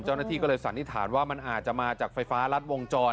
เจ้าหน้าที่ก็เลยสันนิษฐานว่ามันอาจจะมาจากไฟฟ้ารัดวงจร